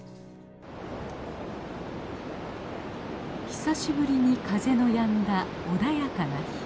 久しぶりに風のやんだ穏やかな日。